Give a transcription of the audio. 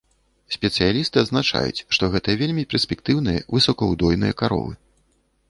Спецыялісты адзначаюць, што гэта вельмі перспектыўныя высокаўдойныя каровы.